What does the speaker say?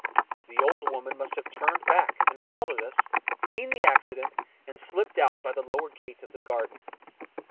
The old woman must have turned back and followed us, seen the accident, and slipped out by the lower gate of the garden.